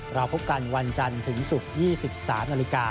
เราพบกันวันจันทร์ถึงศุกร์๒๓นาฬิกา